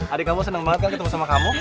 adik kamu senang banget kan ketemu sama kamu